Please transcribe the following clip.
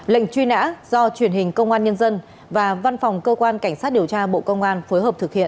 lệnh truy nã do truyền hình công an nhân dân và văn phòng cơ quan cảnh sát điều tra bộ công an phối hợp thực hiện